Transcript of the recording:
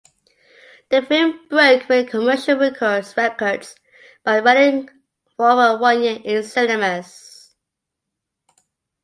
The film broke many commercial records by running for over one year in cinemas.